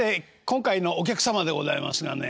今回のお客様でございますがね